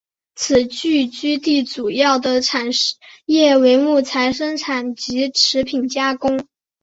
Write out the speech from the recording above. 此聚居地主要的产业为木材生产业及食品加工业。